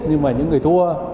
nhưng mà những người thua